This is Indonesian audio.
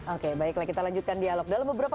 oke baiklah kita lanjutkan dialog dalam beberapa